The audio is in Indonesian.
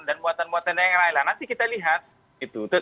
dan muatan muatan yang lain lain nanti kita lihat